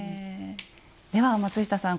では松下さん